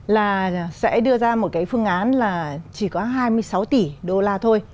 là sẽ đưa ra một cái phương án là chỉ có hai mươi sáu tỷ đô la thôi